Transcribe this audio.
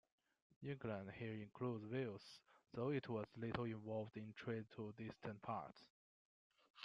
"England" here includes Wales, though it was little involved in trade to distant parts.